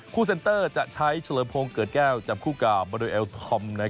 คู่เซนตอร์จะใช้เฉลิมพรงเกิดแก้วจัดกากบดอยเอลทรอม